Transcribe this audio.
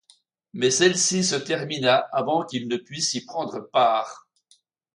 Mais celle-ci se termina avant qu'il ne puisse y prendre part.